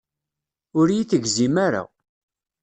Ur iyi-tegzim ara.